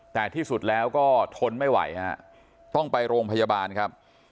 แต่ที่สุดแล้วก็ทนไม่ไหวฮะต้องไปโรงพยาบาลครับ